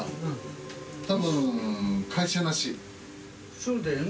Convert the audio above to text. そうだよね。